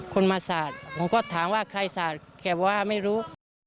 คนมาสาดผมก็ถามว่าใครสาดแกบอกว่าไม่รู้